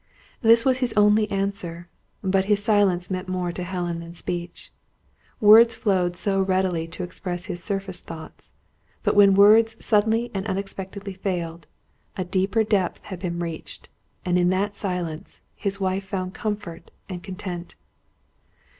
This was his only answer, but his silence meant more to Helen than speech. Words flowed so readily to express his surface thoughts; but when words suddenly and unexpectedly failed, a deeper depth had been reached; and in that silence, his wife found comfort and content.